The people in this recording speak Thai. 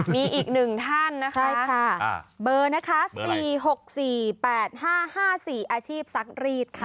มีอีกหนึ่งท่านนะคะใช่ค่ะเบอร์นะคะ๔๖๔๘๕๕๔อาชีพซักรีดค่ะ